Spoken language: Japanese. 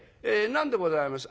何でございます？